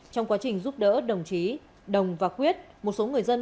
trong quá trình giúp đỡ đồng chí đồng và quyết một số người dân